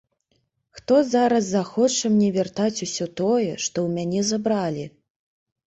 Хто зараз захоча мне вяртаць усё тое, што ў мяне забралі?